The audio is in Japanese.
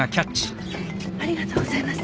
ありがとうございます。